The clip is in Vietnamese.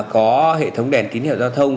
có hệ thống đèn kín hiệu giao thông